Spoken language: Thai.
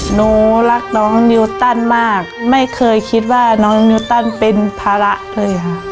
หนูรักน้องนิวตันมากไม่เคยคิดว่าน้องนิวตันเป็นภาระเลยค่ะ